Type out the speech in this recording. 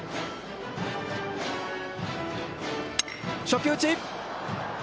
初球打ち！